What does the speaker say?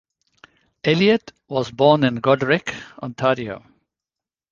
Elliott was born in Goderich, Ontario.